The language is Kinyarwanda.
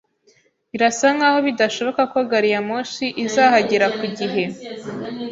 Birasa nkaho bidashoboka ko gari ya moshi izahagera ku gihe.